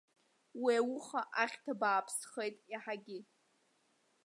Уи ауха ахьҭа бааԥсхеит еиҳагьы.